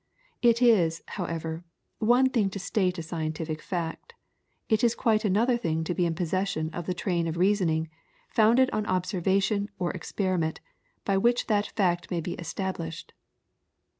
It is, however, one thing to state a scientific fact; it is quite another thing to be in possession of the train of reasoning, founded on observation or experiment, by which that fact may be established.